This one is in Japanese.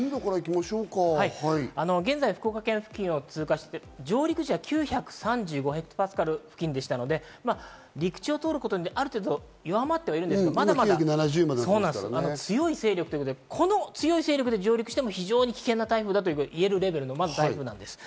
現在、福岡県付近を通過していて、上陸時は９３５ヘクトパスカル付近でしたので、陸地を通ることによって、ある程度、弱まっているんですが、この強い勢力で上陸しても非常に危険な台風だといえるレベルです。